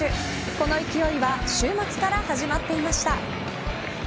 この勢いは週末から始まっていました。